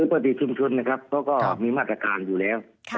ปกติชุมชนนะครับก็มีมาตรการดูแล